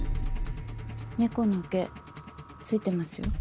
猫の毛付いてますよ。